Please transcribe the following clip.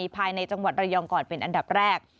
ภายในจังหวัดระยองก่อนเป็นอันดับแรก